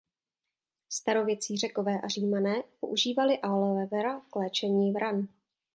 Starověcí Řekové a Římané používali Aloe vera k léčbě ran.